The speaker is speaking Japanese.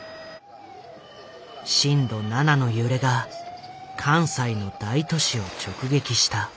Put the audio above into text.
震度７の揺れが関西の大都市を直撃した。